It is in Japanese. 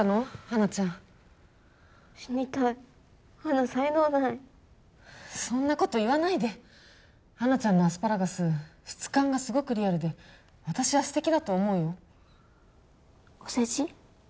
ハナちゃん死にたいハナ才能ないそんなこと言わないでハナちゃんのアスパラガス質感がすごくリアルで私はステキだと思うよお世辞？